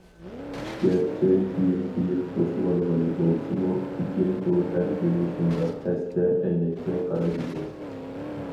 گەرچە كىيىم كىيىپ توسۇۋالغىلى بولسىمۇ، لېكىن ئۇ ھەر كۈنى شۇنداق تەستە ئەينەككە قارايدىكەن.